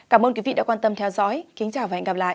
cảm ơn quý vị đã quan tâm theo dõi kính chào và hẹn gặp lại